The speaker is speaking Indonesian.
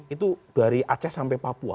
itu dari aceh sampai papua